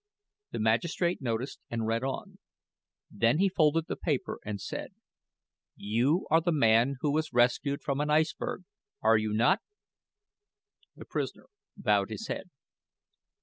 The magistrate noticed, and read on. Then he folded the paper and said: "You are the man who was rescued from an iceberg, are you not?" The prisoner bowed his head.